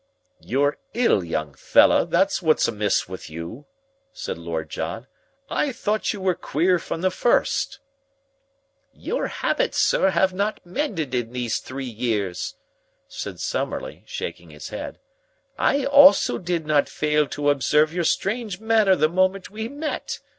"You're ill, young fellah, that's what's amiss with you," said Lord John. "I thought you were queer from the first." "Your habits, sir, have not mended in these three years," said Summerlee, shaking his head. "I also did not fail to observe your strange manner the moment we met.